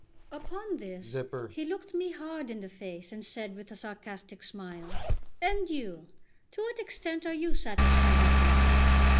Upon this he looked me hard in the face, and said with a sarcastic smile: "And you! to what extent are you satisfied with him?"